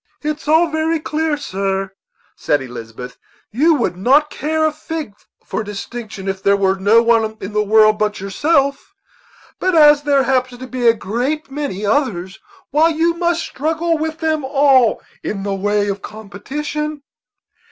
"It's all very clear, sir," said Elizabeth; "you would not care a fig for distinction if there were no one in the world but yourself; but as there happens to be a great many others, why, you must struggle with them all in the way of competition."